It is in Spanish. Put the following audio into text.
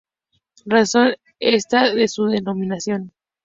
Razón esta de su denominación.